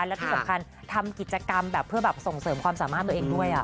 และที่สำคัญทำกิจกรรมแบบเพื่อแบบส่งเสริมความสามารถตัวเองด้วย